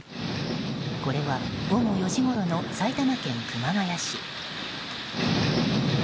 これは午後４時ごろの埼玉県熊谷市。